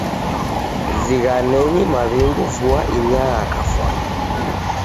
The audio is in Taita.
Zinghanenyi maw'ingu vua inyaa kafwani.